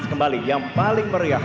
kembali yang paling meriah